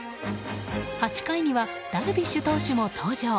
８回にはダルビッシュ投手も登場。